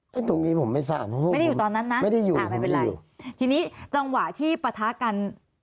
ตรงนี้ผมไม่ทราบเพราะผมไม่ได้อยู่ตอนนั้นนะไม่ได้อยู่อ่าไม่เป็นไรทีนี้จังหวะที่ปะทะกัน